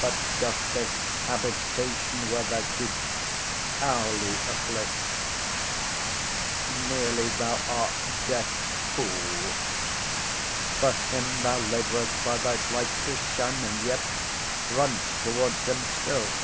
That dost this habitation, where thou keep'st, 10 Hourly afflict: merely, thou art death's fool; For him thou labour'st by thy flight to shun, And yet runn'st toward him still.